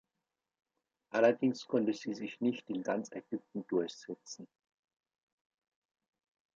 Allerdings konnte sie sich nicht in ganz Ägypten durchsetzen.